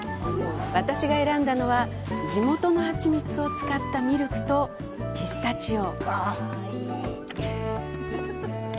私が選んだのは地元のハチミツを使ったミルクとピスタチオ。